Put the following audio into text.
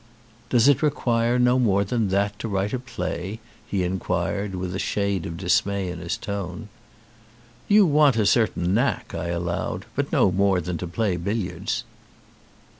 "Does it require no more than that to write a play?" he inquired with a shade of dismay in his tone. "You want a certain knack," I allowed, "but no more than to play billiards."